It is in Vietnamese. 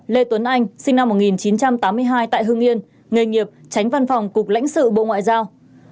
lê tuấn anh sinh năm một nghìn chín trăm tám mươi hai tại hương yên nghề nghiệp tránh văn phòng cục lãnh sự bộ ngoại giao